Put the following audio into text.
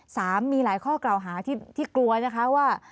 สามมีหลายข้อกล่าวหาที่กลัวนะคะว่า